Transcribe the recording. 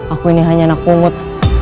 aku ini hanya anak pungut